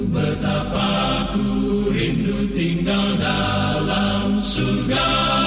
betapa ku rindu tinggal dalam surga